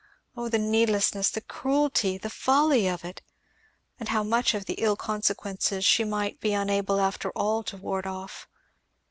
Oh the needlessness, the cruelty, the folly of it! And how much of the ill consequences she might be unable after all to ward off.